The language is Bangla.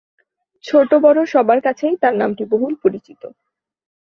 ছোটবড় সবার কাছেই তার নামটি বহুল পরিচিত।